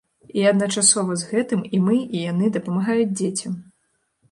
І адначасова з гэтым, і мы, і яны дапамагаюць дзецям.